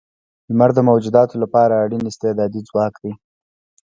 لمر د موجوداتو لپاره اړین استعدادی ځواک دی.